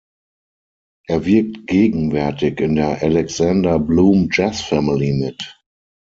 Er wirkt gegenwärtig in der "Alexander Blume Jazz Family" mit.